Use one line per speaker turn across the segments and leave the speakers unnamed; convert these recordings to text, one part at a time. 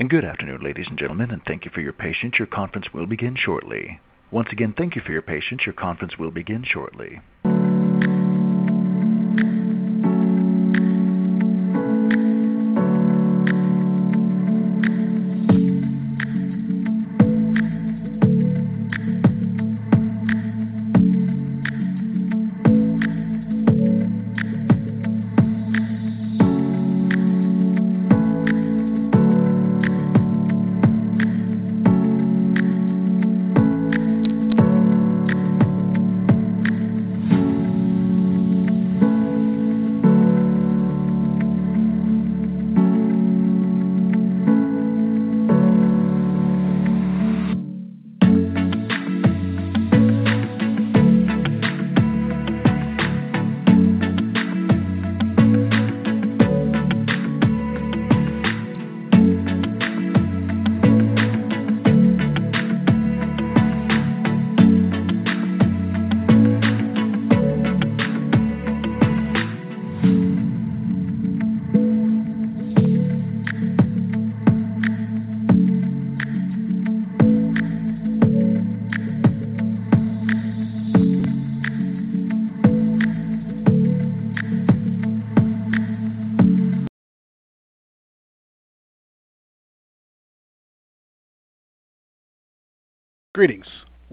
And good afternoon, ladies and gentlemen, and thank you for your patience. Your conference will begin shortly. Once again, thank you for your patience. Your conference will begin shortly.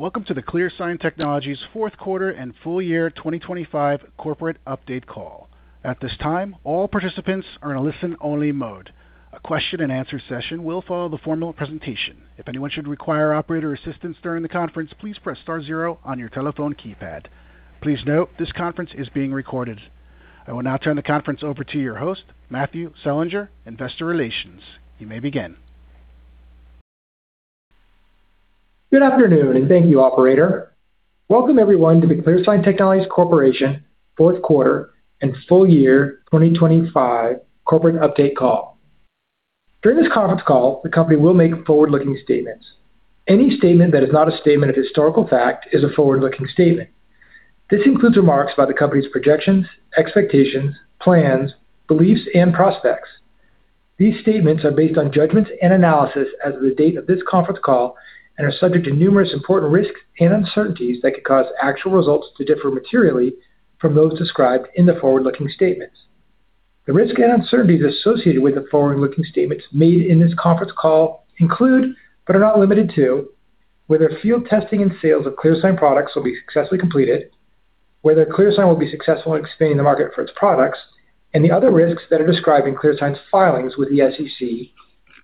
Greetings. Welcome to the ClearSign Technologies fourth quarter and full year 2025 corporate update call. At this time, all participants are in a listen-only mode. A question and answer session will follow the formal presentation. If anyone should require operator assistance during the conference, please press star zero on your telephone keypad. Please note this conference is being recorded. I will now turn the conference over to your host, Matthew Selinger, Investor Relations. You may begin.
Good afternoon, and thank you, operator. Welcome everyone to the ClearSign Technologies Corporation Fourth Quarter and Full Year 2025 Corporate Update Call. During this conference call, the company will make forward-looking statements. Any statement that is not a statement of historical fact is a forward-looking statement. This includes remarks about the company's projections, expectations, plans, beliefs and prospects. These statements are based on judgments and analysis as of the date of this conference call and are subject to numerous important risks and uncertainties that could cause actual results to differ materially from those described in the forward-looking statements. The risks and uncertainties associated with the forward-looking statements made in this conference call include, but are not limited to, whether field testing and sales of ClearSign products will be successfully completed, whether ClearSign will be successful in expanding the market for its products, and the other risks that are described in ClearSign's filings with the SEC,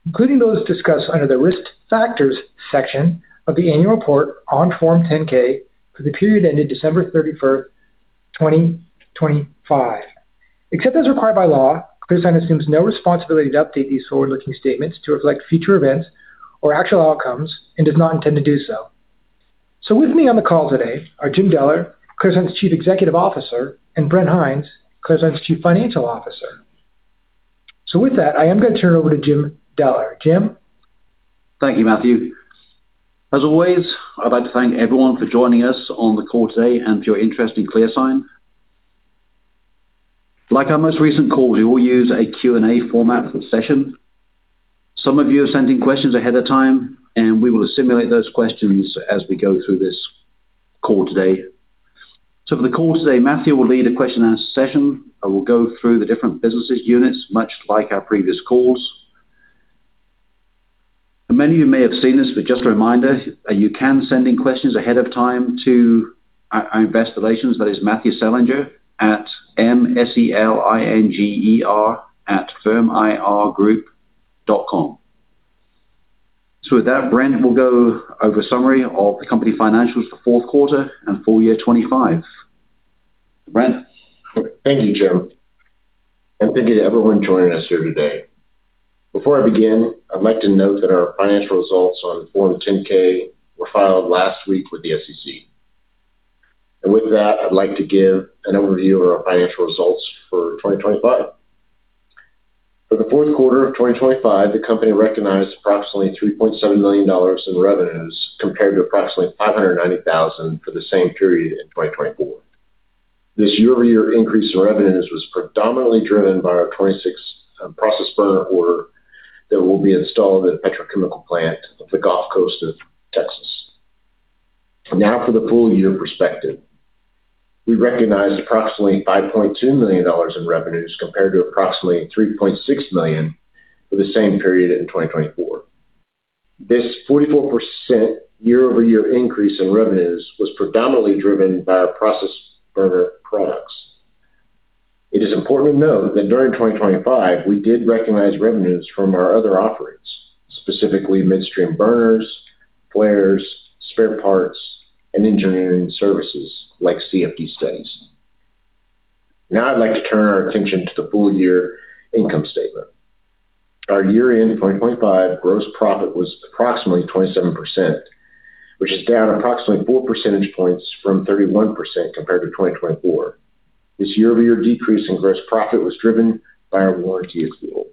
including those discussed under the Risk Factors section of the annual report on Form 10-K for the period ended December 31st, 2025. Except as required by law, ClearSign assumes no responsibility to update these forward-looking statements to reflect future events or actual outcomes and does not intend to do so. With me on the call today are Jim Deller, ClearSign's Chief Executive Officer, and Brent Hinds, ClearSign's Chief Financial Officer. With that, I am going to turn it over to Jim Deller. Jim?
Thank you, Matthew. As always, I'd like to thank everyone for joining us on the call today and for your interest in ClearSign. Like our most recent calls, we will use a Q&A format for the session. Some of you have sent in questions ahead of time, and we will assimilate those questions as we go through this call today. For the call today, Matthew will lead a question and answer session and we'll go through the different business units, much like our previous calls. Many of you may have seen this, but just a reminder, you can send in questions ahead of time to our Investor Relations, that is Matthew Selinger at mselinger@firmirgroup.com. With that, Brent will go over a summary of the company financials for fourth quarter and full year 2025. Brent?
Thank you, Jim, and thank you to everyone joining us here today. Before I begin, I'd like to note that our financial results on Form 10-K were filed last week with the SEC. With that, I'd like to give an overview of our financial results for 2025. For the fourth quarter of 2025, the company recognized approximately $3.7 million in revenues, compared to approximately $590,000 for the same period in 2024. This year-over-year increase in revenues was predominantly driven by our $2.6 million process burner order that will be installed at a petrochemical plant off the Gulf Coast of Texas. Now for the full year perspective. We recognized approximately $5.2 million in revenues, compared to approximately $3.6 million for the same period in 2024. This 44% year-over-year increase in revenues was predominantly driven by our process burner products. It is important to note that during 2025, we did recognize revenues from our other offerings, specifically midstream burners, flares, spare parts, and engineering services like CFD studies. Now I'd like to turn our attention to the full year income statement. Our year-end 2025 gross profit was approximately 27%, which is down approximately four percentage points from 31% compared to 2024. This year-over-year decrease in gross profit was driven by our warranty accrual.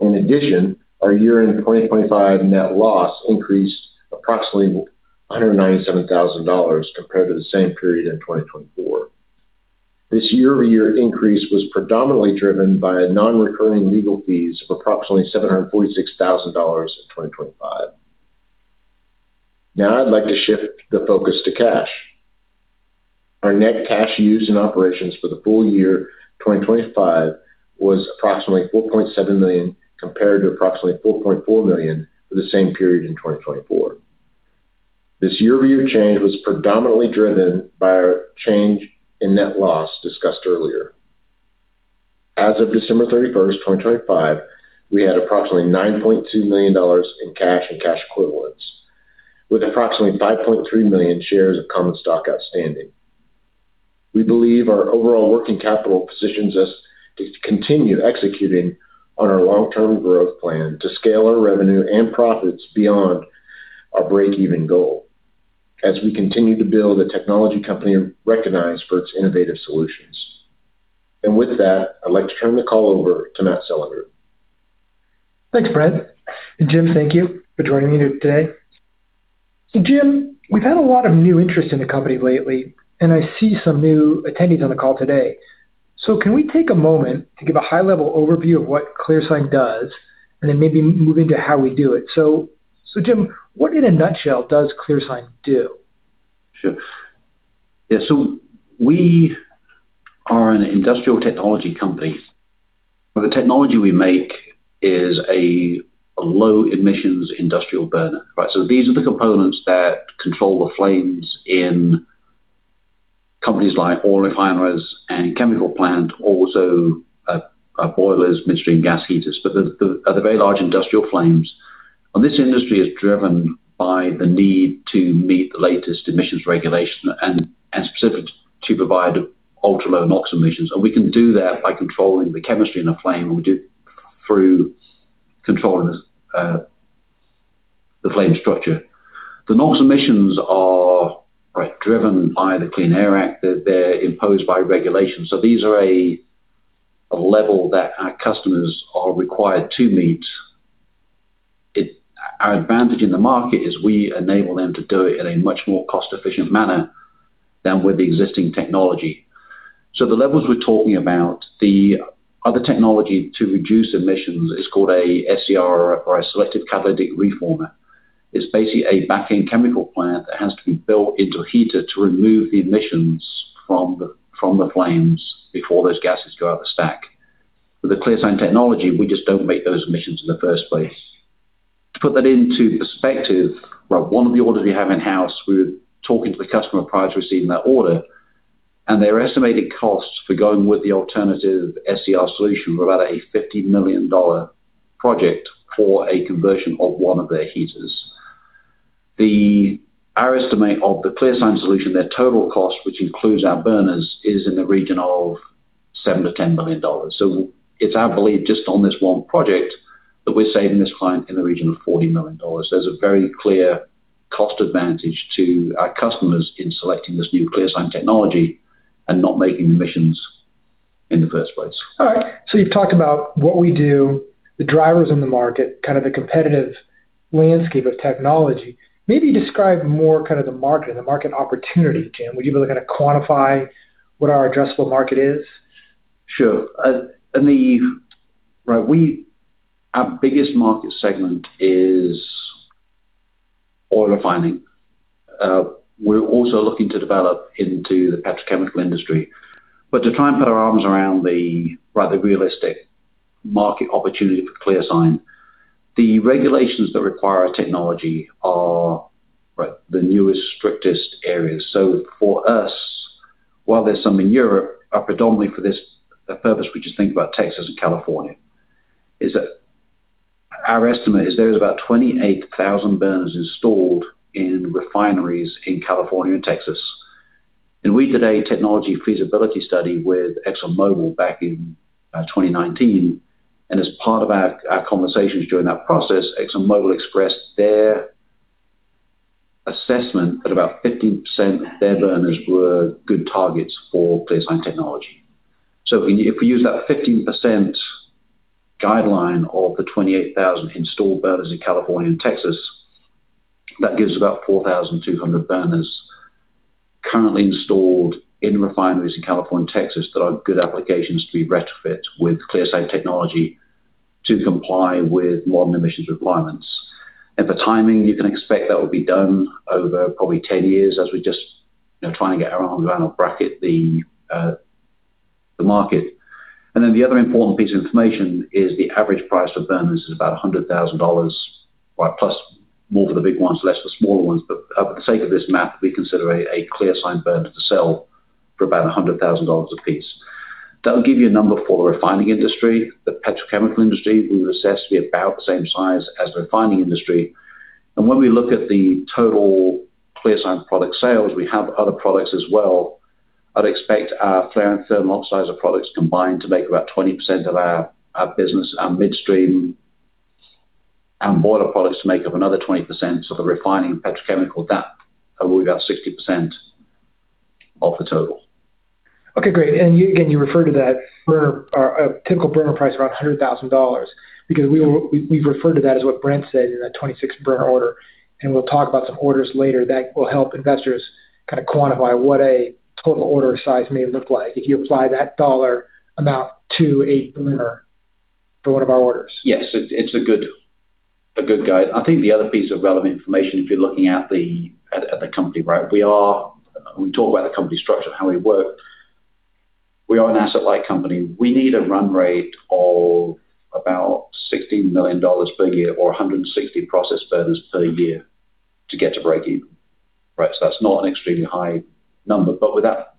In addition, our year-end 2025 net loss increased approximately $197,000 compared to the same period in 2024. This year-over-year increase was predominantly driven by non-recurring legal fees of approximately $746,000 in 2025. Now I'd like to shift the focus to cash. Our net cash used in operations for the full year 2025 was approximately $4.7 million, compared to approximately $4.4 million for the same period in 2024. This year-over-year change was predominantly driven by our change in net loss discussed earlier. As of December 31st, 2025, we had approximately $9.2 million in cash and cash equivalents, with approximately 5.3 million shares of common stock outstanding. We believe our overall working capital positions us to continue executing on our long-term growth plan to scale our revenue and profits beyond our breakeven goal as we continue to build a technology company recognized for its innovative solutions. With that, I'd like to turn the call over to Matthew Selinger.
Thanks, Brent. Jim, thank you for joining me today. Jim, we've had a lot of new interest in the company lately, and I see some new attendees on the call today. Can we take a moment to give a high level overview of what ClearSign does, and then maybe move into how we do it? Jim, what in a nutshell does ClearSign do?
Sure. Yeah. We are an industrial technology company, but the technology we make is a low emissions industrial burner. These are the components that control the flames in companies like oil refiners and chemical plant, also boilers, midstream gas heaters. They're very large industrial flames. This industry is driven by the need to meet the latest emissions regulation and specifically to provide ultra-low NOx emissions. We can do that by controlling the chemistry in a flame. We do through controlling the flame structure. The NOx emissions are driven by the Clean Air Act. They're imposed by regulation. These are a level that our customers are required to meet. Our advantage in the market is we enable them to do it in a much more cost-efficient manner than with the existing technology. The levels we're talking about, the other technology to reduce emissions is called a SCR or a Selective Catalytic Reduction. It's basically a backend chemical plant that has to be built into a heater to remove the emissions from the flames before those gases go out the stack. With the ClearSign technology, we just don't make those emissions in the first place. To put that into perspective, one of the orders we have in-house, we were talking to the customer prior to receiving that order, and their estimated costs for going with the alternative SCR solution were about a $50 million project for a conversion of one of their heaters. Our estimate of the ClearSign solution, their total cost, which includes our burners, is in the region of $7-$10 million. It's our belief, just on this one project, that we're saving this client in the region of $40 million. There's a very clear cost advantage to our customers in selecting this new ClearSign technology and not making emissions in the first place.
All right. You've talked about what we do, the drivers in the market, kind of the competitive landscape of technology. Maybe describe more kind of the market, the market opportunity, Jim. Would you be able to kind of quantify what our addressable market is?
Sure. Our biggest market segment is oil refining. We're also looking to develop into the petrochemical industry, but to try and put our arms around the rather realistic market opportunity for ClearSign. The regulations that require our technology are the newest, strictest areas. For us, while there's some in Europe, predominantly for this purpose, we just think about Texas and California, is that our estimate is there is about 28,000 burners installed in refineries in California and Texas. In a week-to-day technology feasibility study with ExxonMobil back in 2019, and as part of our conversations during that process, ExxonMobil expressed their assessment that about 15% of their burners were good targets for ClearSign technology. If we use that 15% guideline of the 28,000 installed burners in California and Texas, that gives about 4,200 burners currently installed in refineries in California and Texas that are good applications to be retrofit with ClearSign technology to comply with modern emissions requirements. For timing, you can expect that will be done over probably 10 years as we just try and get our arms around or bracket the market. The other important piece of information is the average price for burners is about $100,000, plus more for the big ones, less for smaller ones. For the sake of this math, we consider a ClearSign burner to sell for about $100,000 a piece. That'll give you a number for the refining industry. The petrochemical industry, we've assessed to be about the same size as the refining industry. When we look at the total ClearSign product sales, we have other products as well. I'd expect our flare and thermal oxidizer products combined to make about 20% of our business, our midstream and boiler products make up another 20%. The refining petrochemical, that will be about 60% of the total.
Okay, great. Again, you refer to that burner, a typical burner price is around $100,000 because we've referred to that as what Brent said in that 26 burner order. We'll talk about some orders later that will help investors kind of quantify what a total order size may look like if you apply that dollar amount to a burner for one of our orders.
Yes. It's a good guide. I think the other piece of relevant information, if you're looking at the company, we talk about the company structure and how we work. We are an asset-light company. We need a run rate of about $16 million per year or 160 process burners per year to get to breakeven. That's not an extremely high number. With that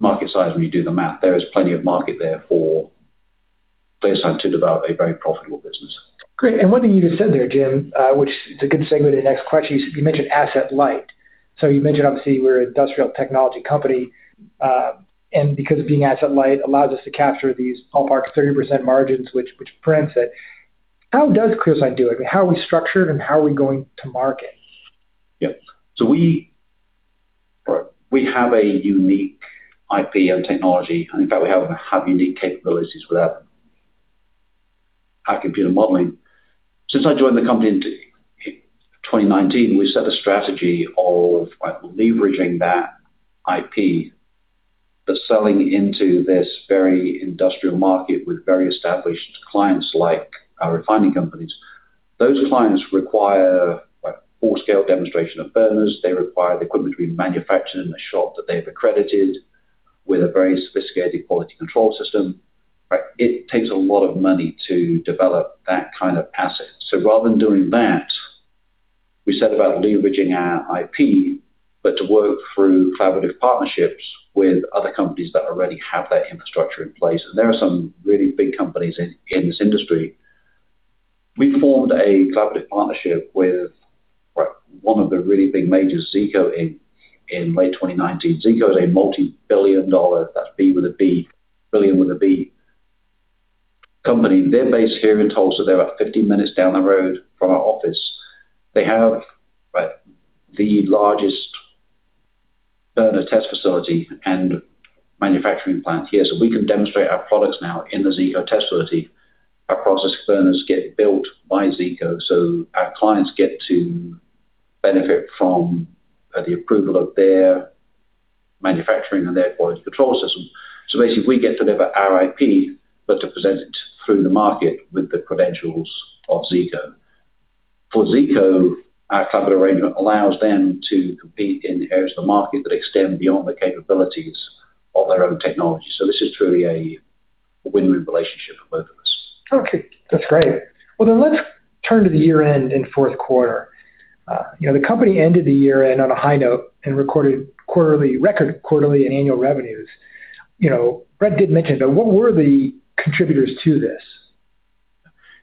market size, when you do the math, there is plenty of market there for ClearSign to develop a very profitable business.
Great. One thing you just said there, Jim, which is a good segue to the next question. You mentioned asset-light. You mentioned obviously we're an industrial technology company, and because of being asset-light, allows us to capture these ballpark 30% margins, which Brent said. How does ClearSign do it? How are we structured and how are we going to market?
Yeah. We have a unique IP and technology, and in fact, we have unique capabilities with our computer modeling. Since I joined the company in 2019, we set a strategy of leveraging that IP, but selling into this very industrial market with very established clients like our refining companies. Those clients require full-scale demonstration of burners. They require the equipment to be manufactured in a shop that they've accredited with a very sophisticated quality control system. It takes a lot of money to develop that kind of asset. Rather than doing that, we set about leveraging our IP, but to work through collaborative partnerships with other companies that already have that infrastructure in place, and there are some really big companies in this industry. We formed a collaborative partnership with one of the really big majors, Zeeco, in late 2019. Zeeco is a multi-billion dollar, that's B with a B, billion with a B, company. They're based here in Tulsa. They're about 15 minutes down the road from our office. They have the largest burner test facility and manufacturing plant here. We can demonstrate our products now in the Zeeco test facility. Our process burners get built by Zeeco, so our clients get to benefit from the approval of their manufacturing and their quality control systems. Basically, we get to deliver our IP, but to present it through the market with the credentials of Zeeco. For Zeeco, our collaborative arrangement allows them to compete in areas of the market that extend beyond the capabilities of their own technology. This is truly a win-win relationship for both of us.
Okay. That's great. Well, let's turn to the year-end and fourth quarter. The company ended the year-end on a high note and recorded record quarterly and annual revenues. Brent did mention, but what were the contributors to this?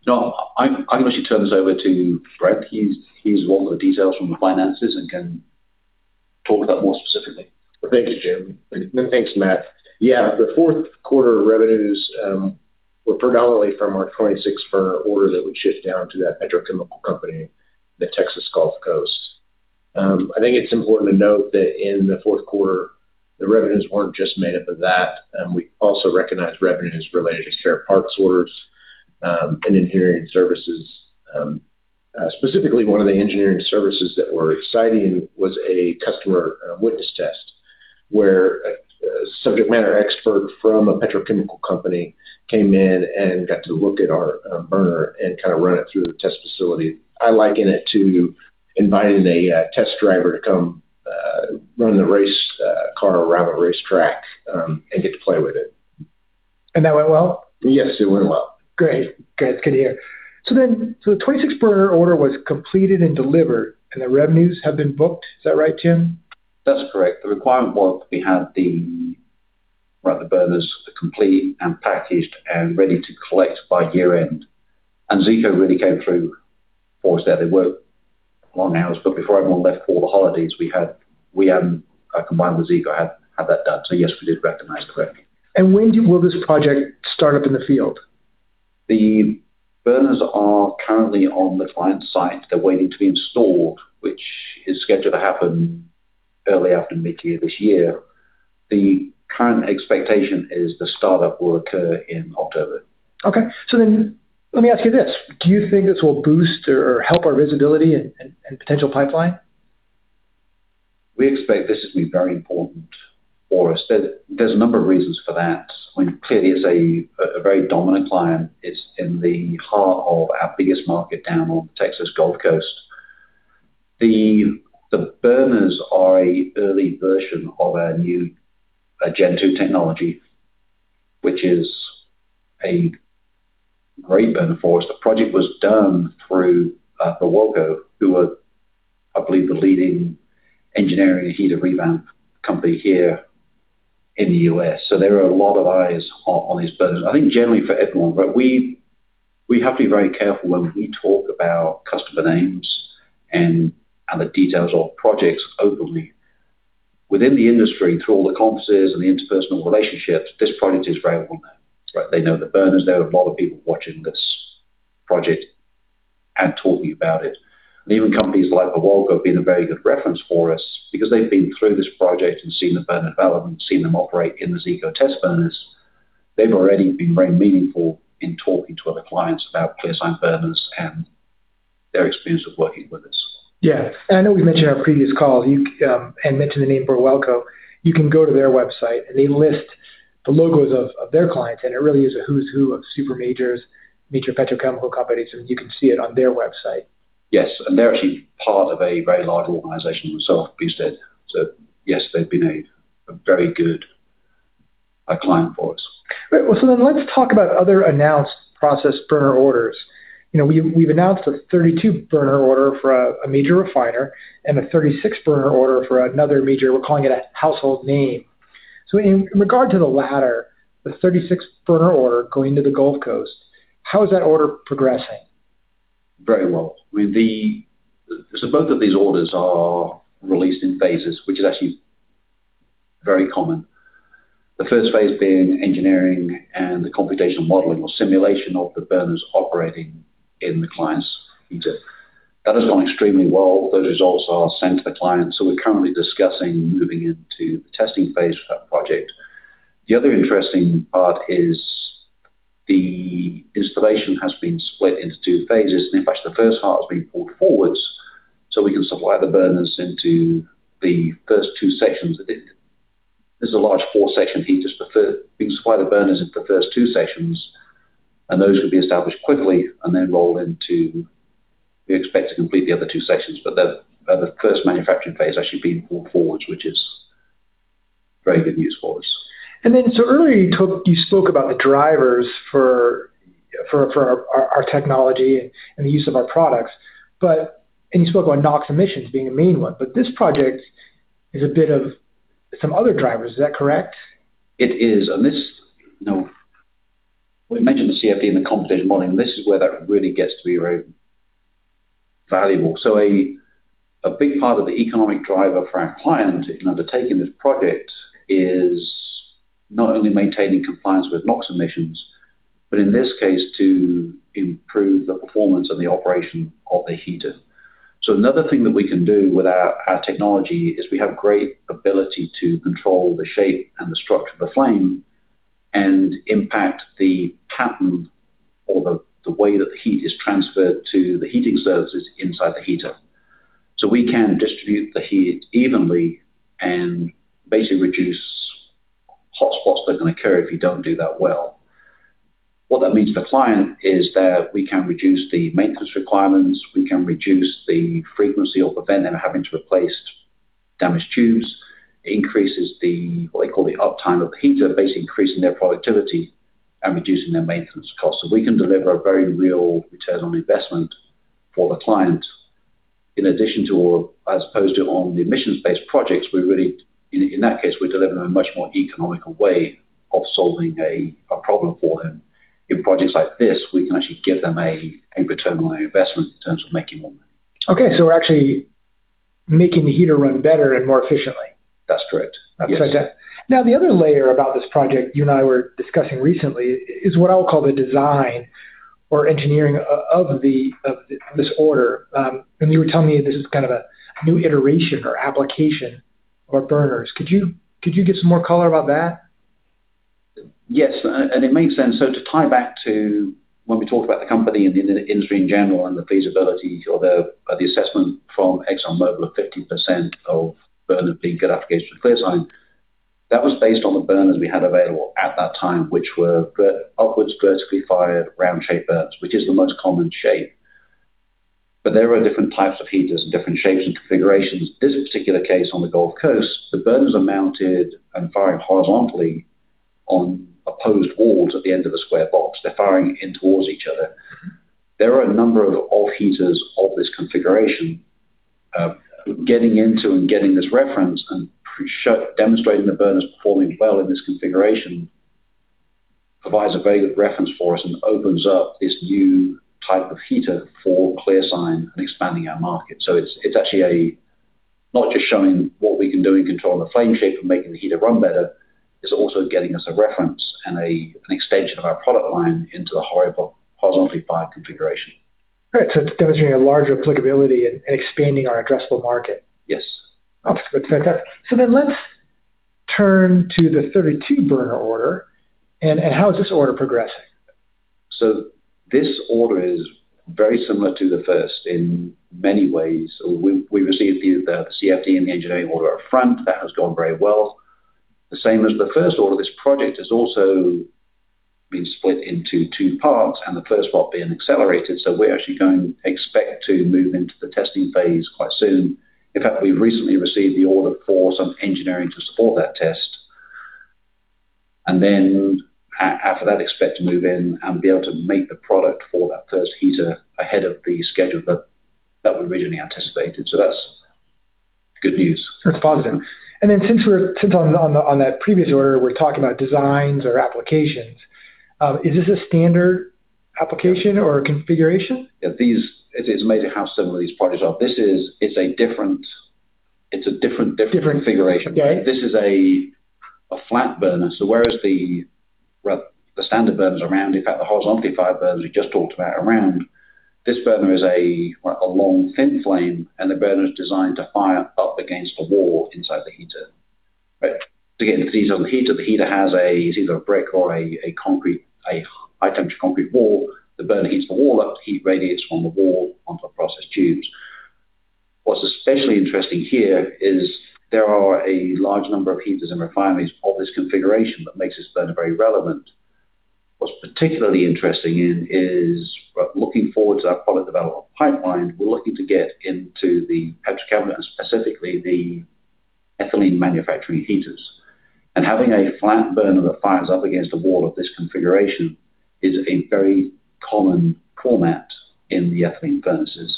No, I'm going to actually turn this over to Brent. He has the details on the finances and can talk about it more specifically.
Thank you, Jim. Thanks, Matt. Yeah, the fourth quarter revenues were predominantly from our 26 burner order that we shipped down to that petrochemical company in the Texas Gulf Coast. I think it's important to note that in the fourth quarter, the revenues weren't just made up of that. We also recognized revenues related to spare parts orders and engineering services. Specifically, one of the engineering services that were exciting was a customer witness test, where a subject matter expert from a petrochemical company came in and got to look at our burner and run it through the test facility. I liken it to inviting a test driver to come run the race car around a racetrack, and get to play with it.
That went well?
Yes, it went well.
Great. Good to hear. The 26 burner order was completed and delivered and the revenues have been booked. Is that right, Jim?
That's correct. The requirement was that we had the burners complete and packaged and ready to collect by year-end, and Zeeco really came through for us there. They worked long hours, but before everyone left for the holidays, we, combined with Zeeco, had that done. Yes, we did recognize correctly.
When will this project start up in the field?
The burners are currently on the client site. They're waiting to be installed, which is scheduled to happen early after mid-year this year. The current expectation is the startup will occur in October.
Okay. Let me ask you this. Do you think this will boost or help our visibility and potential pipeline?
We expect this to be very important for us. There's a number of reasons for that. I mean, clearly it's a very dominant client. It's in the heart of our biggest market down on the Texas Gulf Coast. The burners are an early version of our new Gen 2 technology, which is a great burner for us. The project was done through Calco, who are, I believe, the leading engineering and heater revamp company here in the U.S. There are a lot of eyes on these burners, I think generally for everyone. We have to be very careful when we talk about customer names and the details of projects openly. Within the industry, through all the conferences and the interpersonal relationships, this project is very well-known. They know the burners. There are a lot of people watching this project and talking about it. Even companies like Calco have been a very good reference for us because they've been through this project and seen the burner development, seen them operate in the Zeeco test burners. They've already been very meaningful in talking to other clients about ClearSign burners and their experience of working with us.
Yeah. I know we mentioned our previous call, and mentioned the name Birwelco. You can go to their website and they list the logos of their clients, and it really is a who's who of super majors, major petrochemical companies, and you can see it on their website.
Yes. They're actually part of a very large organization themselves. Yes, they've been a very good client for us.
Right. Let's talk about other announced process burner orders. We've announced a 32 burner order for a major refiner and a 36 burner order for another major, we're calling it a household name. In regard to the latter, the 36 burner order going to the Gulf Coast, how is that order progressing?
Very well. Both of these orders are released in phases, which is actually very common. The first phase being engineering and the computational modeling or simulation of the burners operating in the client's heater. That has gone extremely well. The results are sent to the client, so we're currently discussing moving into the testing phase for that project. The other interesting part is the installation has been split into two phases, and in fact, the first half has been pulled forward, so we can supply the burners into the first two sections of it. This is a large four-section heater. We supply the burners into the first two sections, and those will be established quickly. We expect to complete the other two sections, but the first manufacturing phase has actually been pulled forward, which is very good news for us.
Earlier you spoke about the drivers for our technology and the use of our products, and you spoke about NOx emissions being a main one. This project is about some other drivers. Is that correct?
It is. We mentioned the CFD and the computational modeling. This is where that really gets to be very valuable. A big part of the economic driver for our client in undertaking this project is not only maintaining compliance with NOx emissions, but in this case, to improve the performance and the operation of the heater. Another thing that we can do with our technology is we have great ability to control the shape and the structure of the flame and impact the pattern or the way that the heat is transferred to the heating surfaces inside the heater. We can distribute the heat evenly and basically reduce hotspots that are going to occur if you don't do that well. What that means for the client is that we can reduce the maintenance requirements, we can reduce the frequency or prevent them having to replace damaged tubes. It increases the, what they call the uptime of the heater, basically increasing their productivity and reducing their maintenance costs. We can deliver a very real return on investment for the client. In addition to, or as opposed to on the emissions-based projects, in that case, we're delivering a much more economical way of solving a problem for them. In projects like this, we can actually give them a return on their investment in terms of making more money.
Okay. We're actually making the heater run better and more efficiently.
That's correct. Yes.
Now the other layer about this project, you and I were discussing recently, is what I'll call the design or engineering of this order. You were telling me this is kind of a new iteration or application of our burners. Could you give some more color about that?
Yes. It makes sense. To tie back to when we talked about the company and the industry in general and the feasibility or the assessment from ExxonMobil of 50% of burner being good application for ClearSign, that was based on the burners we had available at that time, which were upwards vertically fired round shape burners, which is the most common shape. There are different types of heaters and different shapes and configurations. This particular case on the Gulf Coast, the burners are mounted and firing horizontally on opposed walls at the end of a square box. They're firing in towards each other. There are a number of offshore heaters of this configuration. Getting into and getting this reference and demonstrating the burners performing well in this configuration provides a very good reference for us and opens up this new type of heater for ClearSign and expanding our market. It's actually not just showing what we can do in controlling the flame shape and making the heater run better, it's also getting us a reference and an extension of our product line into the horizontally fired configuration.
Great. Demonstrating a larger applicability and expanding our addressable market.
Yes.
Excellent. Let's turn to the 32 burner order, and how is this order progressing?
This order is very similar to the first in many ways. We received the CFD and the engineering order up front. That has gone very well. The same as the first order, this project has also been split into two parts and the first part being accelerated. We're actually going to expect to move into the testing phase quite soon. In fact, we've recently received the order for some engineering to support that test. After that, expect to move in and be able to make the product for that first heater ahead of the schedule that we originally anticipated. That's good news.
That's positive. Since we're on that previous order, we're talking about designs or applications. Is this a standard application or configuration?
It's amazing how similar these projects are. It's a different configuration.
Okay.
This is a flat burner. Whereas the standard burners are round, in fact, the horizontally fired burners we just talked about are round. This burner is a long, thin flame, and the burner's designed to fire up against the wall inside the heater. Again, the details on the heater, the heater has either a brick or a high temperature concrete wall. The burner heats the wall up, the heat radiates from the wall onto the process tubes. What's especially interesting here is there are a large number of heaters and refineries of this configuration that makes this burner very relevant. What's particularly interesting is looking forward to our product development pipeline, we're looking to get into the petrochemical business, specifically the ethylene manufacturing heaters. Having a flat burner that fires up against the wall of this configuration is a very common format in the ethylene furnaces.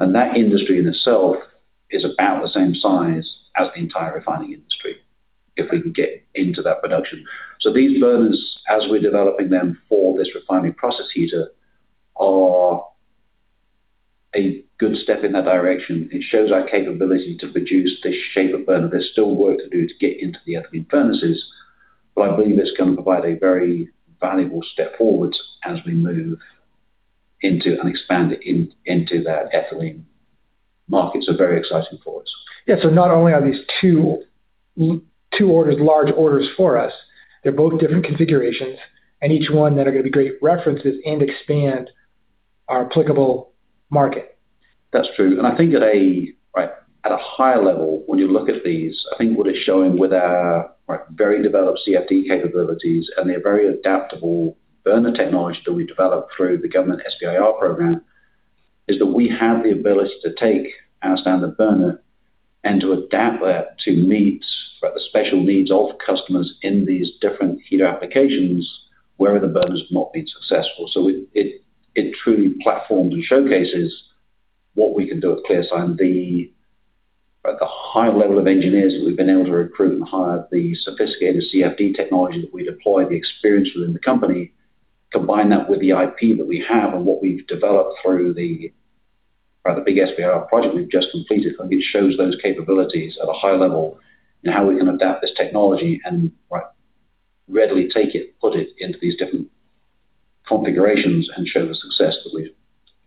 That industry in itself is about the same size as the entire refining industry, if we can get into that production. These burners, as we're developing them for this refining process heater, are a good step in that direction. It shows our capability to produce this shape of burner. There's still work to do to get into the ethylene furnaces, but I believe it's going to provide a very valuable step forward as we move into and expand into that ethylene market, so very exciting for us.
Yeah. Not only are these two orders large orders for us, they're both different configurations and each one that are going to be great references and expand our applicable market.
That's true. I think at a higher level, when you look at these, I think what it's showing with our very developed CFD capabilities and the very adaptable burner technology that we developed through the government SBIR program, is that we have the ability to take our standard burner and to adapt that to meet the special needs of customers in these different heater applications where other burners have not been successful. It truly platforms and showcases what we can do at ClearSign. The high level of engineers that we've been able to recruit and hire, the sophisticated CFD technology that we deploy, the experience within the company, combine that with the IP that we have and what we've developed through the big SBIR project we've just completed, I think shows those capabilities at a high level in how we can adapt this technology and readily take it, put it into these different configurations and show the success that we've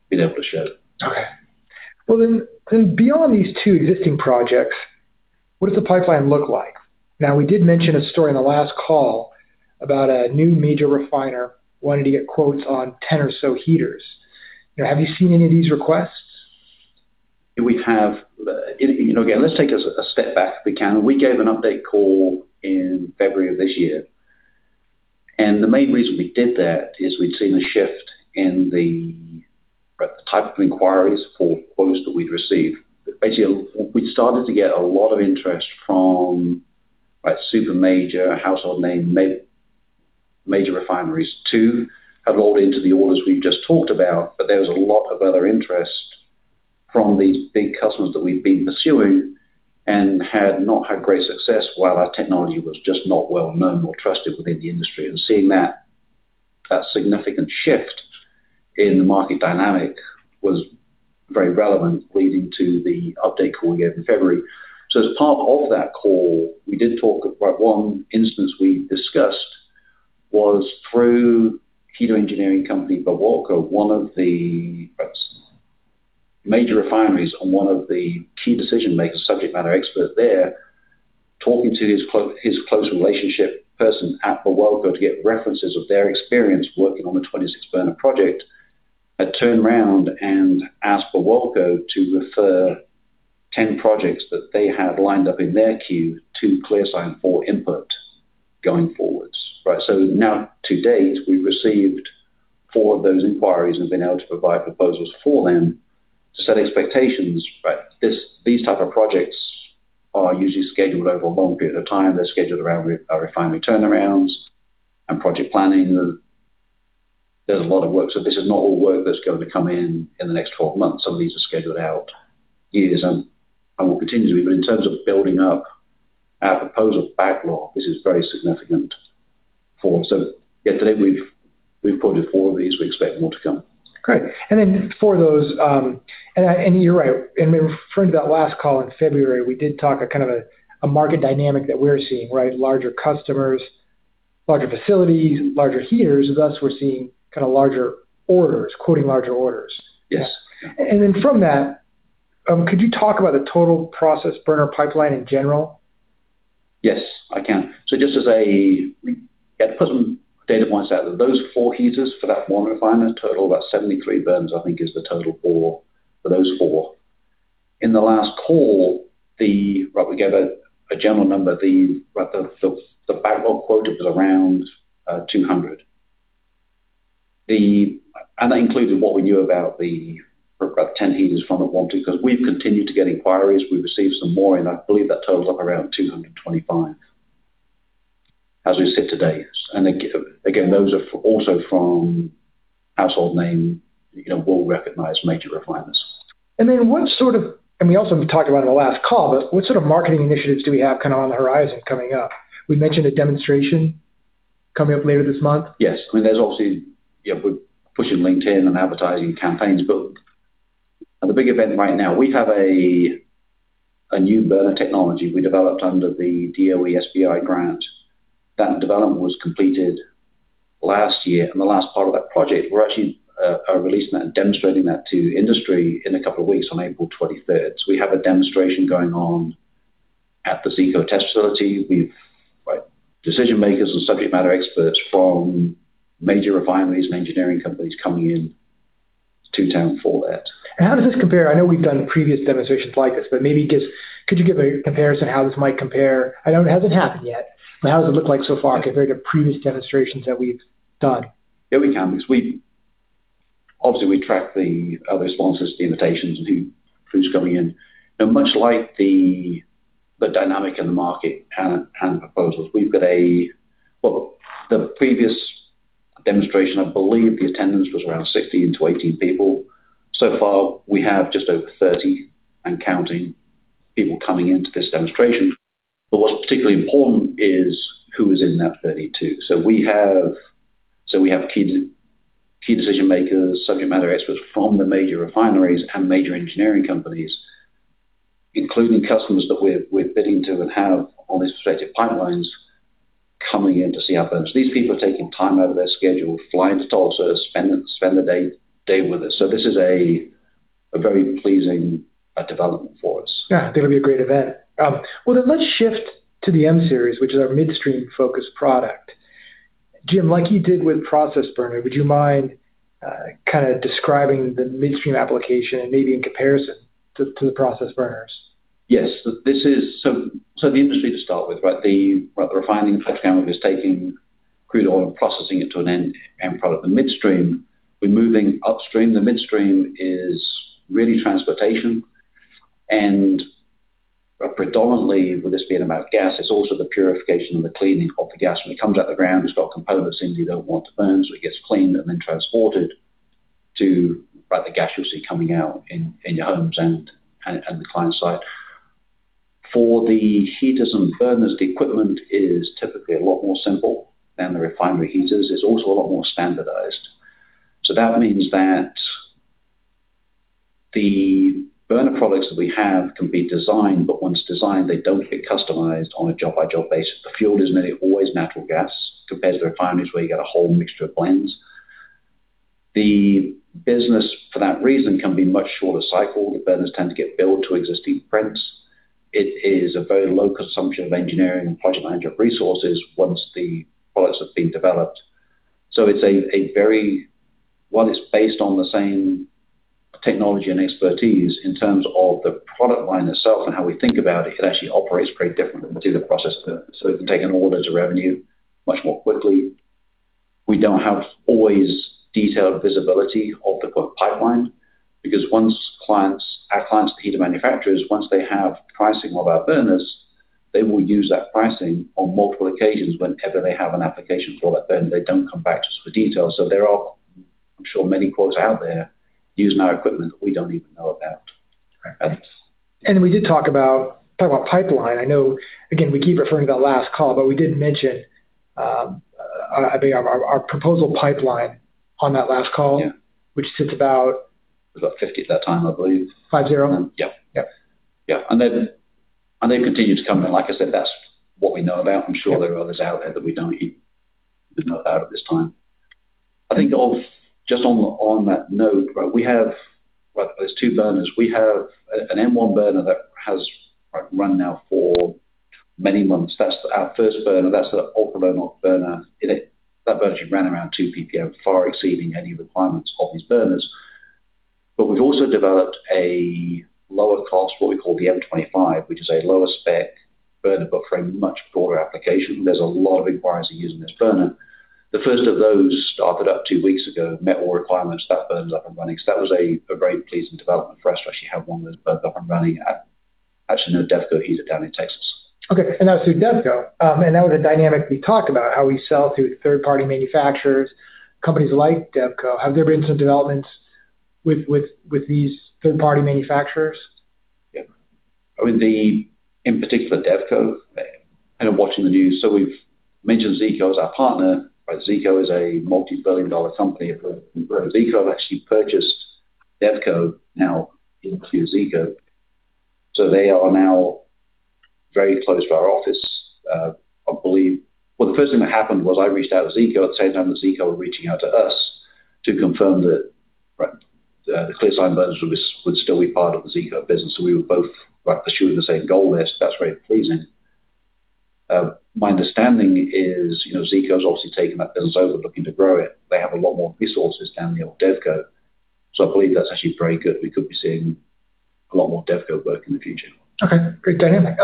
been able to show.
Okay. Well then, beyond these two existing projects, what does the pipeline look like? Now, we did mention a story on the last call about a new major refiner wanting to get quotes on 10 or so heaters. Now, have you seen any of these requests?
We have. Again, let's take a step back if we can. We gave an update call in February of this year, and the main reason we did that is we'd seen a shift in the type of inquiries for quotes that we'd received. Basically, we'd started to get a lot of interest from super major household name, major refineries. Two have rolled into the orders we've just talked about, but there was a lot of other interest from these big customers that we've been pursuing and had not had great success while our technology was just not well known or trusted within the industry. Seeing that significant shift in the market dynamic was very relevant leading to the update call we gave in February. As part of that call, one instance we discussed was through heater engineering company, Birwelco, one of the major refineries, and one of the key decision makers, subject matter expert there, talking to his close relationship person at Birwelco to get references of their experience working on the 26 burner project, had turned around and asked Birwelco to refer 10 projects that they had lined up in their queue to ClearSign for input going forwards. Now to date, we've received four of those inquiries and have been able to provide proposals for them to set expectations. These type of projects are usually scheduled over a long period of time. They're scheduled around our refinery turnarounds and project planning. There's a lot of work. This is not all work that's going to come in the next 12 months. Some of these are scheduled out years and will continue to be. In terms of building up our proposal backlog, this is very significant for us. Yeah, to date, we've quoted four of these. We expect more to come.
Great. For those, you're right, we were referring to that last call in February. We did talk a kind of a market dynamic that we're seeing, right? Larger customers, larger facilities, larger heaters, thus we're seeing kind of larger orders, quoting larger orders.
Yes.
From that, could you talk about the total process burner pipeline in general?
Yes, I can. To put some data points out, those four heaters for that one refinery total about 73 burners. I think that's the total for those four. In the last call, we gave a general number. The backlog total was around 200. That included what we knew about the 10 heaters from the one that, because we've continued to get inquiries. We've received some more in. I believe that totals up around 225 as we sit today. Those are also from household name, well-recognized major refiners.
I mean, also we talked about in the last call, but what sort of marketing initiatives do we have kind of on the horizon coming up? We mentioned a demonstration coming up later this month.
Yes. I mean, there's obviously we're pushing LinkedIn and advertising campaigns. The big event right now, we have a new burner technology we developed under the DOE SBIR grant. That development was completed last year. In the last part of that project, we're actually releasing that and demonstrating that to industry in a couple of weeks on April 23rd. We have a demonstration going on at the Zeeco test facility. We have decision makers and subject matter experts from major refineries and engineering companies coming in to town for that.
How does this compare? I know we've done previous demonstrations like this, but maybe just could you give a comparison how this might compare? I know it hasn't happened yet, but how does it look like so far compared to previous demonstrations that we've done?
Yeah, we can, because obviously we track the responses to the invitations and who's coming in. Much like the dynamic in the market and proposals. The previous demonstration, I believe the attendance was around 16-18 people. So far we have just over 30 and counting people coming into this demonstration. What's particularly important is who is in that 32. We have key decision makers, subject matter experts from the major refineries and major engineering companies, including customers that we're bidding to and have on these prospective pipelines coming in to see how it burns. These people are taking time out of their schedule, flying to Tulsa to spend the day with us. This is a very pleasing development for us.
Yeah, I think it'll be a great event. Well then let's shift to the M series, which is our midstream focused product. Jim, like you did with process burner, would you mind kind of describing the midstream application and maybe in comparison to the process burners?
Yes. The industry to start with, the refining side of the family is taking crude oil and processing it to an end product. The midstream, we're moving upstream. The midstream is really transportation and predominantly with this being about gas, it's also the purification and the cleaning of the gas. When it comes out of the ground, it's got components in it you don't want to burn. So it gets cleaned and then transported to the gas you'll see coming out in your homes and the downstream. For the heaters and burners, the equipment is typically a lot more simple than the refinery heaters. It's also a lot more standardized. That means that the burner products that we have can be designed, but once designed, they don't get customized on a job-by-job basis. The fuel is nearly always natural gas compared to refineries where you get a whole mixture of blends. The business, for that reason, can be much shorter cycle. The burners tend to get built to existing prints. It is a very low consumption of engineering and project management resources once the products have been developed. While it's based on the same technology and expertise in terms of the product line itself and how we think about it actually operates pretty differently to the process burner. It can take in orders or revenue much more quickly. We don't have always detailed visibility of the pipeline because our clients are heater manufacturers. Once they have pricing of our burners, they will use that pricing on multiple occasions. Whenever they have an application for that burner, they don't come back to us for details. There are, I'm sure, many quotes out there using our equipment that we don't even know about.
We did talk about pipeline. I know, again, we keep referring to that last call, but we did mention, I think our proposal pipeline on that last call.
Yeah.
Which sits about.
It was up 50 at that time, I believe.
50?
Yep.
Yep.
They continue to come in. Like I said, that's what we know about. I'm sure there are others out there that we don't even know about at this time. I think just on that note, we have those two burners. We have an M1 burner that has run now for many months. That's our first burner. That's the ultra-low NOx burner. That version ran around 2 PPM, far exceeding any requirements of these burners. We've also developed a lower cost, what we call the M25, which is a lower spec burner, but for a much broader application. There's a lot of inquiries in using this burner. The first of those started up two weeks ago, met all requirements, that burner's up and running. That was a very pleasing development for us to actually have one of those burners up and running at actually another DEVCO heater down in Texas.
Okay. That's through DEVCO. That was a dynamic we talked about, how we sell to third party manufacturers, companies like DEVCO. Have there been some developments with these third party manufacturers?
Yep. In particular, DEVCO and watching the news. We've mentioned Zeeco is our partner. Zeeco is a multi-billion-dollar company. Zeeco have actually purchased DEVCO, now into Zeeco. They are now very close to our office. Well, the first thing that happened was I reached out to Zeeco at the same time that Zeeco were reaching out to us to confirm that the ClearSign burners would still be part of the Zeeco business. We were both pursuing the same goal there, so that's very pleasing. My understanding is Zeeco's obviously taken that business over, looking to grow it. They have a lot more resources than the old DE. I believe that's actually very good. We could be seeing a lot more Devco work in the future.
Okay. Great dynamic.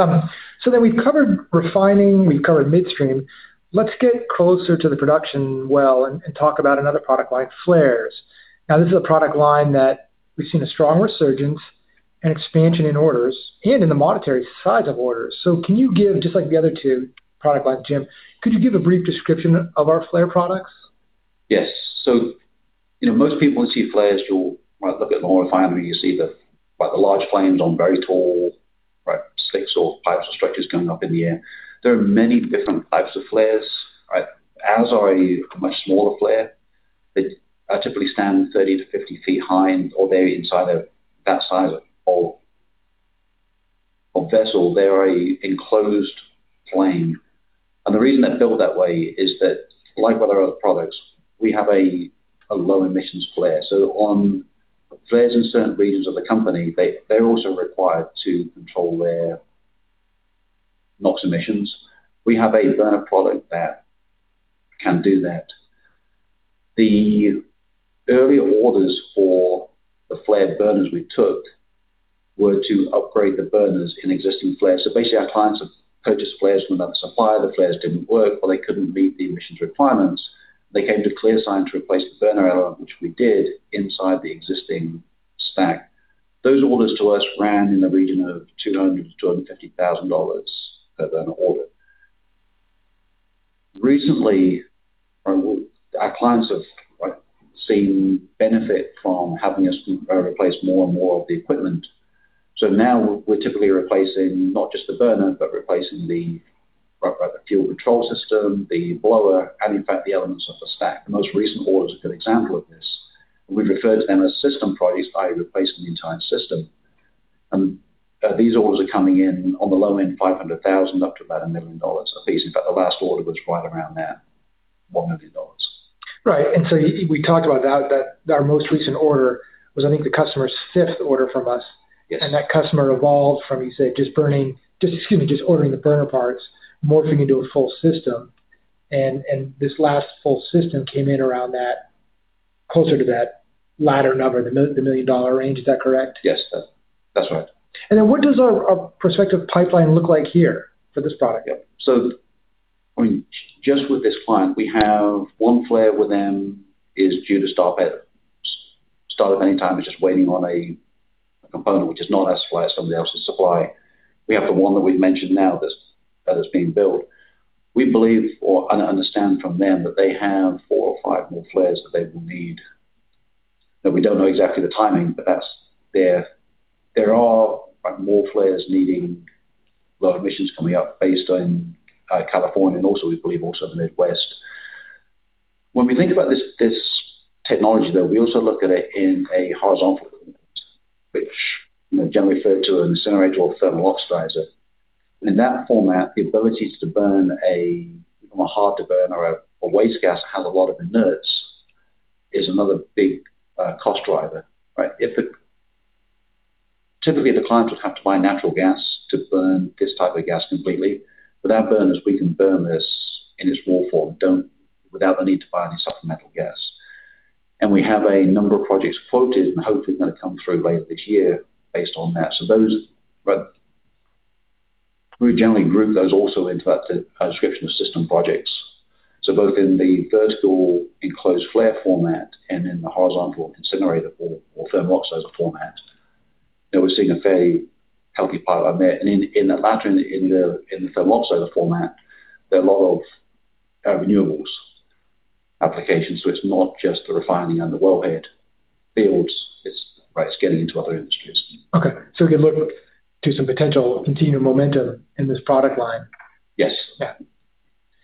We've covered refining, we've covered midstream. Let's get closer to the production well and talk about another product line, flares. Now this is a product line that we've seen a strong resurgence and expansion in orders and in the monetary size of orders. Can you give, just like the other two product lines, Jim, could you give a brief description of our flare products?
Yes. Most people would see flares. You'll look at the oil refinery, you see the large flames on very tall sticks or pipes or structures going up in the air. There are many different types of flares. Ours are a much smaller flare. They typically stand 30-50 feet high, and they're inside of that size of pole on vessel. They're an enclosed flame. The reason they're built that way is that like with our other products, we have a low emissions flare. On flares in certain regions of the country, they're also required to control their NOx emissions. We have a burner product that can do that. The early orders for the flare burners we took were to upgrade the burners in existing flares. Basically our clients have purchased flares from another supplier. The flares didn't work, or they couldn't meet the emissions requirements. They came to ClearSign to replace the burner element, which we did inside the existing stack. Those orders to us ran in the region of $200,000-$250,000 per burner order. Recently, our clients have seen benefit from having us replace more and more of the equipment. Now we're typically replacing not just the burner but replacing the fuel control system, the blower, and in fact, the elements of the stack. The most recent order is a good example of this. We refer to them as system projects by replacing the entire system. These orders are coming in on the low end, $500,000, up to about $1 million a piece. In fact, the last order was right around that, $1 million.
Right. We talked about that, our most recent order was, I think the customer's fifth order from us. That customer evolved from, you say just ordering the burner parts, morphing into a full system. This last full system came in around that, closer to that latter number, the $1 million range. Is that correct?
Yes. That's right.
What does our prospective pipeline look like here for this product?
Yeah. Just with this client, we have one flare with them is due to start at any time. We're just waiting on a component, which is not our supply, somebody else's supply. We have the one that we've mentioned now that has been built. We believe or understand from them that they have four or five more flares that they will need. Now we don't know exactly the timing, but there are more flares needing a lot of emissions coming up based in California, and also we believe also the Midwest. When we think about this technology, though, we also look at it in a horizontal equipment, which generally referred to an incinerator or thermal oxidizer. In that format, the ability to burn a more hard to burn or a waste gas that has a lot of inerts is another big cost driver, right? Typically, the clients would have to buy natural gas to burn this type of gas completely. With our burners, we can burn this in its raw form without the need to buy any supplemental gas. We have a number of projects quoted and hopefully going to come through later this year based on that. Those, we generally group those also into that description of system projects. Both in the vertical enclosed flare format and in the horizontal incinerator or thermal oxidizer format, we're seeing a very healthy pipeline there. In the latter, in the thermal oxidizer format, there are a lot of renewables applications. It's not just the refining and the wellhead fields. It's getting into other industries.
Okay. We can look to some potential continued momentum in this product line.
Yes. Yeah.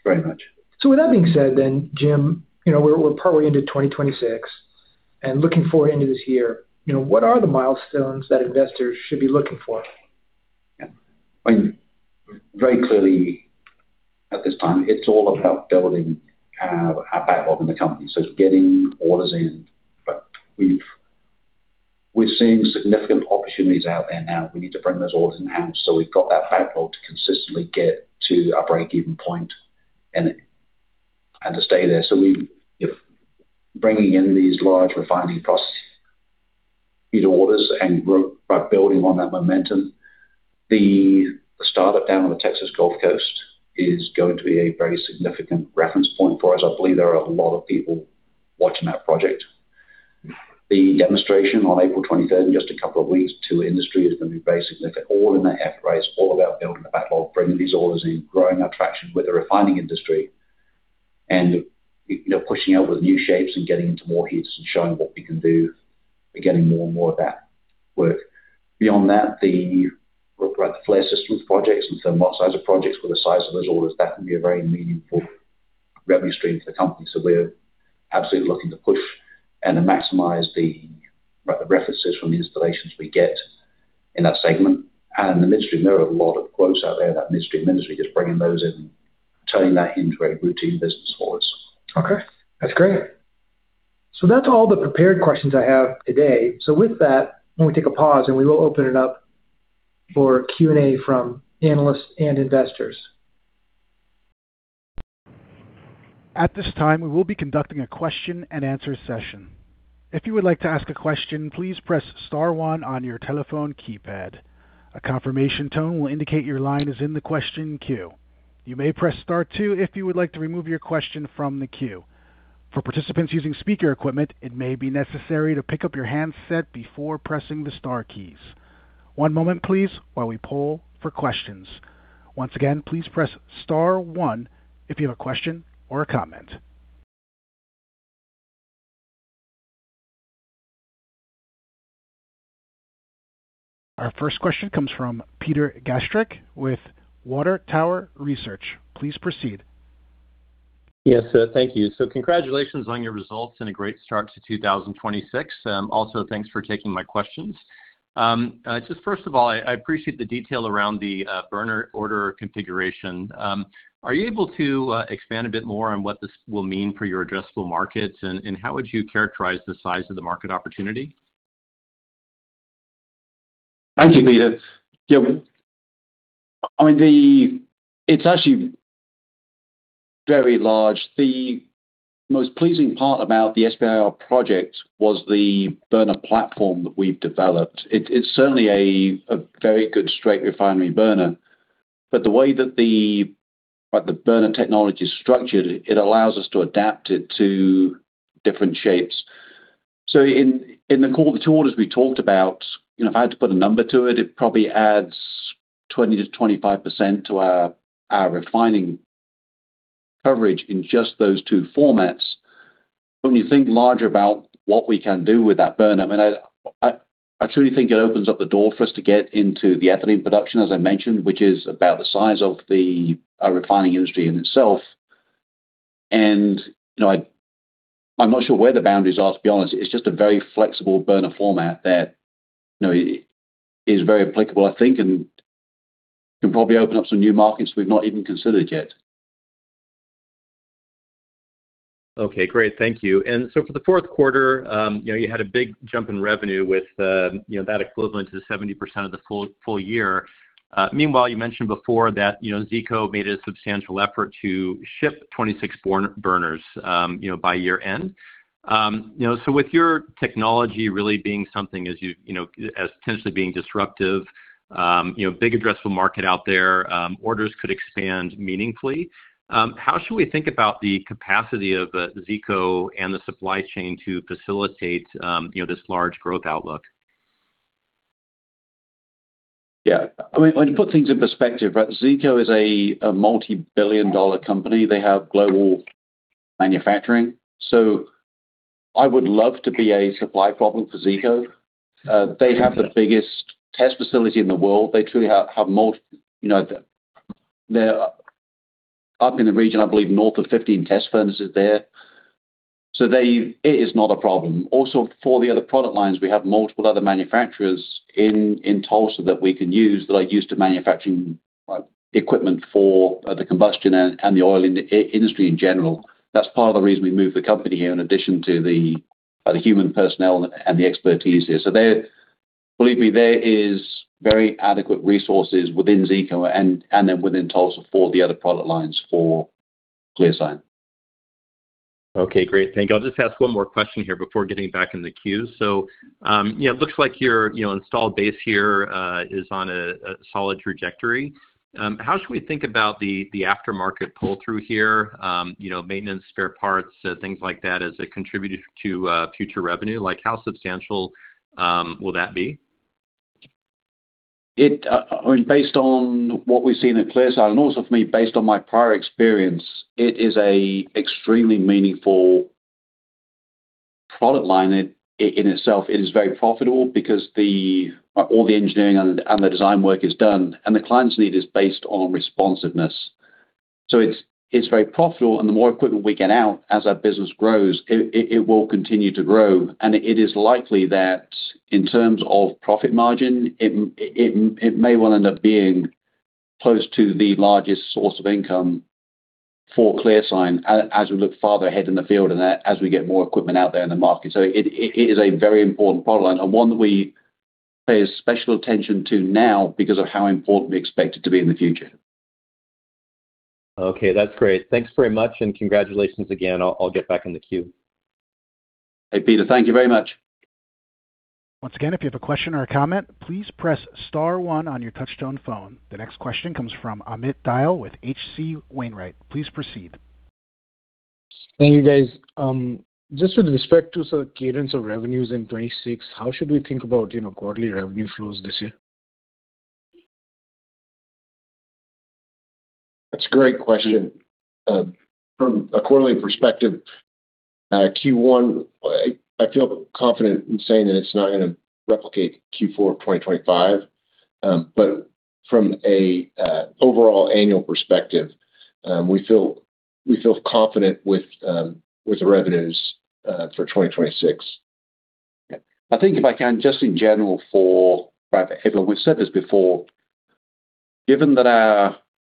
Very much.
With that being said, Jim, we're probably into 2026 and looking forward into this year, what are the milestones that investors should be looking for?
Yeah. Very clearly at this time, it's all about building our backlog in the company, so it's getting orders in. We're seeing significant opportunities out there now. We need to bring those orders in-house, so we've got that backlog to consistently get to our breakeven point and to stay there. We're bringing in these large refining process heater orders and by building on that momentum. The startup down on the Texas Gulf Coast is going to be a very significant reference point for us. I believe there are a lot of people watching that project. The demonstration on April 23rd, in just a couple of weeks to industry, is going to be very significant. All in that effort is all about building the backlog, bringing these orders in, growing our traction with the refining industry and pushing out with new shapes and getting into more heats and showing what we can do and getting more and more of that work. Beyond that, the flare systems projects and thermal oxidizer projects with the size of those orders, that can be a very meaningful revenue stream for the company. We're absolutely looking to push and to maximize the references from the installations we get in that segment. In the midstream, there are a lot of quotes out there in that midstream industry, just bringing those in and turning that into a routine business for us.
Okay, that's great. That's all the prepared questions I have today. With that, why don't we take a pause, and we will open it up for Q&A from analysts and investors.
At this time, we will be conducting a question and answer session. If you would like to ask a question, please press star one on your telephone keypad. A confirmation tone will indicate your line is in the question queue. You may press star two if you would like to remove your question from the queue. For participants using speaker equipment, it may be necessary to pick up your handset before pressing the star keys. One moment please while we poll for questions. Once again, please press star one if you have a question or a comment. Our first question comes from Peter Gastreich with Water Tower Research. Please proceed.
Yes, thank you. Congratulations on your results and a great start to 2026. Also, thanks for taking my questions. Just first of all, I appreciate the detail around the burner order configuration. Are you able to expand a bit more on what this will mean for your addressable markets? And how would you characterize the size of the market opportunity?
Thank you, Peter. Yeah. It's actually very large. The most pleasing part about the SBIR project was the burner platform that we've developed. It's certainly a very good straight refinery burner. The way that the burner technology is structured, it allows us to adapt it to different shapes. In the orders we talked about, if I had to put a number to it probably adds 20%-25% to our refining coverage in just those two formats. When you think larger about what we can do with that burner, I truly think it opens up the door for us to get into the ethylene production, as I mentioned, which is about the size of the refining industry in itself. I'm not sure where the boundaries are, to be honest. It's just a very flexible burner format that is very applicable, I think, and can probably open up some new markets we've not even considered yet.
Okay, great. Thank you. For the fourth quarter, you had a big jump in revenue with that equivalent to 70% of the full year. Meanwhile, you mentioned before that Zeeco made a substantial effort to ship 26 burners by year end. With your technology really being something as potentially being disruptive, big addressable market out there, orders could expand meaningfully. How should we think about the capacity of Zeeco and the supply chain to facilitate this large growth outlook?
Yeah. To put things in perspective, Zeeco is a multi-billion dollar company. They have global manufacturing. I would love to be a supply problem for Zeeco. They have the biggest test facility in the world. They truly have multiple. They're up in the region, I believe, north of 15 test furnaces there. It is not a problem. Also, for the other product lines, we have multiple other manufacturers in Tulsa that we can use, that are used to manufacturing equipment for the combustion and the oil industry in general. That's part of the reason we moved the company here, in addition to the human personnel and the expertise here. Believe me, there is very adequate resources within Zeeco and then within Tulsa for the other product lines for ClearSign.
Okay, great. Thank you. I'll just ask one more question here before getting back in the queue. It looks like your installed base here is on a solid trajectory. How should we think about the aftermarket pull-through here, maintenance, spare parts, things like that, as a contributor to future revenue? Like how substantial will that be?
Based on what we've seen at ClearSign, and also for me, based on my prior experience, it is an extremely meaningful product line in itself. It is very profitable because all the engineering and the design work is done, and the client's need is based on responsiveness. It's very profitable, and the more equipment we get out as our business grows, it will continue to grow. It is likely that in terms of profit margin, it may well end up being close to the largest source of income for ClearSign as we look farther ahead in the field and as we get more equipment out there in the market. It is a very important product line, and one that we pay special attention to now because of how important we expect it to be in the future.
Okay, that's great. Thanks very much, and congratulations again. I'll get back in the queue.
Hey, Peter. Thank you very much.
Once again, if you have a question or a comment, please press star one on your touchtone phone. The next question comes from Amit Dayal with H.C. Wainwright. Please proceed.
Thank you, guys. Just with respect to sort of cadence of revenues in 2026, how should we think about quarterly revenue flows this year?
That's a great question. From a quarterly perspective, Q1, I feel confident in saying that it's not going to replicate Q4 2025. From a overall annual perspective, we feel confident with the revenues for 2026.
We've said this before. Given that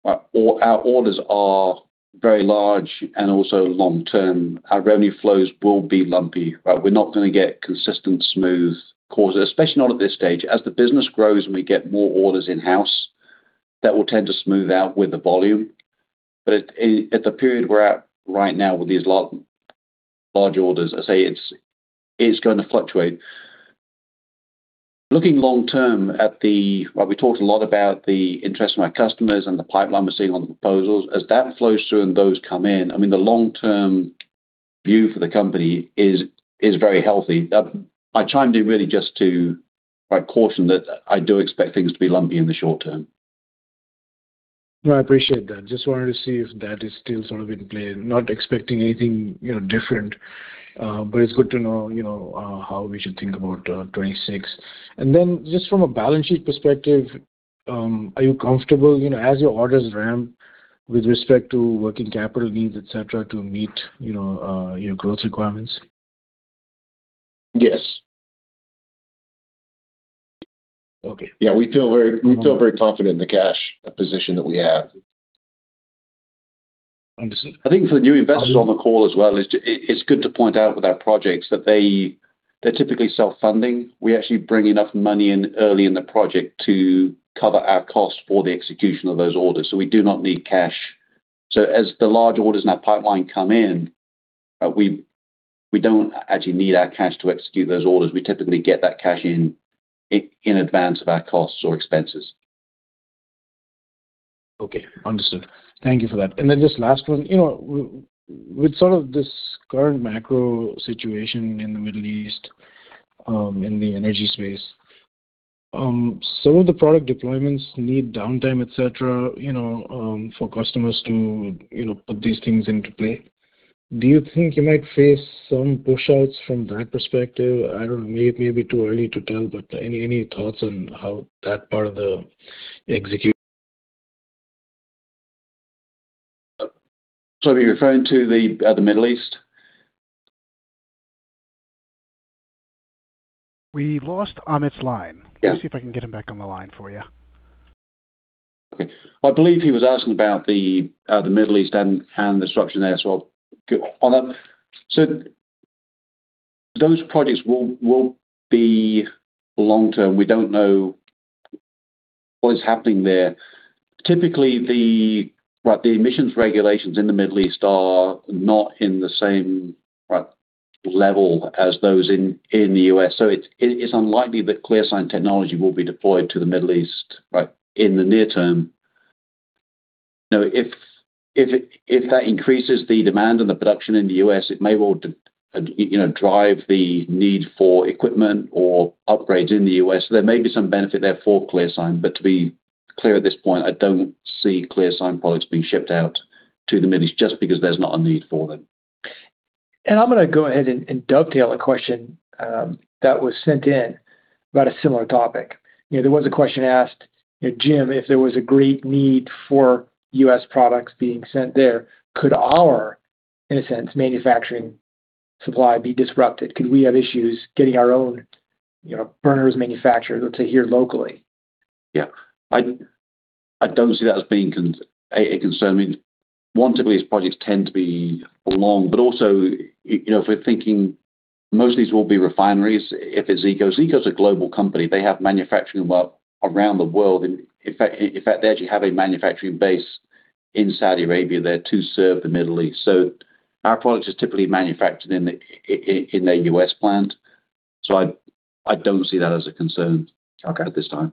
our orders are very large and also long-term, our revenue flows will be lumpy, right? We're not going to get consistent, smooth quarters, especially not at this stage. As the business grows and we get more orders in-house, that will tend to smooth out with the volume. At the period we're at right now with these large orders, as I say, it's going to fluctuate. Looking long term, while we talked a lot about the interest from our customers and the pipeline we're seeing on the proposals, as that flows through and those come in, I mean, the long-term view for the company is very healthy. I try to be really quite cautious that I do expect things to be lumpy in the short term.
No, I appreciate that. Just wanted to see if that is still sort of in play. Not expecting anything different. It's good to know how we should think about 2026. Then just from a balance sheet perspective, are you comfortable, as your orders ramp with respect to working capital needs, et cetera, to meet your growth requirements?
Yes.
Okay.
Yeah. We feel very confident in the cash position that we have.
Understood.
I think for the new investors on the call as well, it's good to point out with our projects that they're typically self-funding. We actually bring enough money in early in the project to cover our costs for the execution of those orders. We do not need cash. As the large orders in our pipeline come in, we don't actually need our cash to execute those orders. We typically get that cash in advance of our costs or expenses.
Okay, understood. Thank you for that. This last one, with sort of this current macro situation in the Middle East, in the energy space, some of the product deployments need downtime, et cetera, for customers to put these things into play. Do you think you might face some push-outs from that perspective? I don't know, it may be too early to tell, but any thoughts on how that part of the execu-
Are you referring to the Middle East?
We lost Amit's line.
Yeah.
Let me see if I can get him back on the line for you.
Okay. I believe he was asking about the Middle East and the disruption there. Amit, so those projects will be long-term. We don't know what is happening there. Typically, the emissions regulations in the Middle East are not in the same level as those in the U.S. It's unlikely that ClearSign technology will be deployed to the Middle East in the near term. Now, if that increases the demand and the production in the U.S., it may well drive the need for equipment or upgrades in the U.S. There may be some benefit there for ClearSign, but to be clear at this point, I don't see ClearSign products being shipped out to the Middle East just because there's not a need for them.
I'm gonna go ahead and dovetail a question that was sent in about a similar topic. There was a question asked, "Jim, if there was a great need for U.S. products being sent there, could our, in a sense, manufacturing supply be disrupted? Could we have issues getting our own burners manufactured, let's say, here locally?
Yeah. I don't see that as being a concern. I mean, one, typically these projects tend to be long, but also if we're thinking, most of these will be refineries. If it's Zeeco is a global company. They have manufacturing around the world. In fact, they actually have a manufacturing base in Saudi Arabia there to serve the Middle East. So our product is typically manufactured in a U.S. plant. So I don't see that as a concern at this time.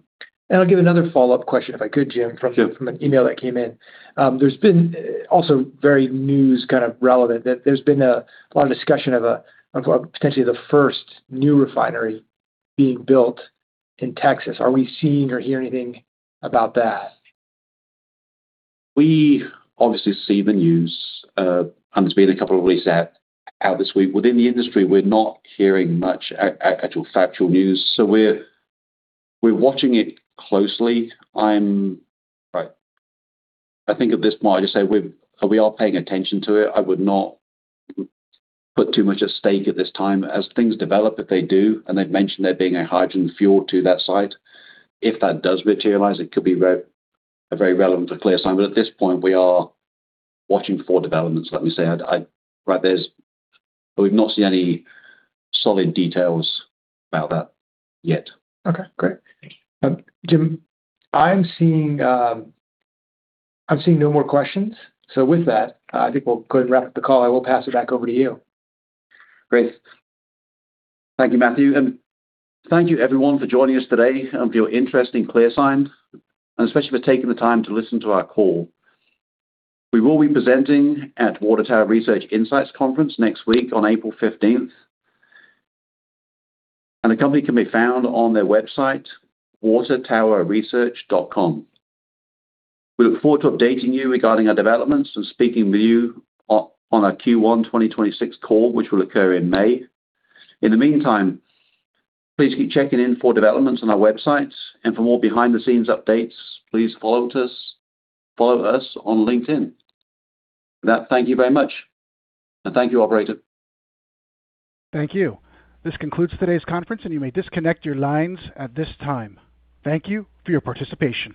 I'll give another follow-up question if I could, Jim.
Sure.
From an email that came in. There's been also recent news kind of relevant, that there's been a lot of discussion of potentially the first new refinery being built in Texas. Are we seeing or hearing anything about that?
We obviously see the news. There's been a couple of releases out this week. Within the industry, we're not hearing much actual factual news. We're watching it closely. I think at this point I just say we are paying attention to it. I would not put too much at stake at this time. As things develop, if they do, and they've mentioned there being a hydrogen fuel to that site, if that does materialize, it could be very relevant for ClearSign. At this point, we are watching for developments, let me say. We've not seen any solid details about that yet.
Okay, great. Jim, I'm seeing no more questions. With that, I think we'll go ahead and wrap up the call. I will pass it back over to you.
Great. Thank you, Matthew. Thank you everyone for joining us today and for your interest in ClearSign, and especially for taking the time to listen to our call. We will be presenting at Water Tower Research Insights Conference next week on April 15th. The company can be found on their website, watertowerresearch.com. We look forward to updating you regarding our developments and speaking with you on our Q1 2026 call, which will occur in May. In the meantime, please keep checking in for developments on our website. For more behind-the-scenes updates, please follow us on LinkedIn. With that, thank you very much. Thank you, operator.
Thank you. This concludes today's conference, and you may disconnect your lines at this time. Thank you for your participation.